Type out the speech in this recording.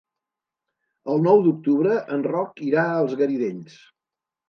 El nou d'octubre en Roc irà als Garidells.